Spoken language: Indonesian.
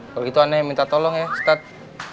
kalo gitu aneh minta tolong ya ustadz